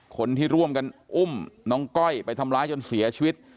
คนที่ร่วมกันอุ้มน้องก้อยไปทำร้ายจนเสียชีวิต